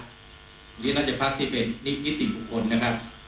มูลนิธิราชภัทร์ที่เป็นนิติบุคคลนะครับ